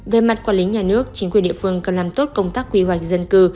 về mặt quản lý nhà nước chính quyền địa phương cần làm tốt công tác quy hoạch dân cư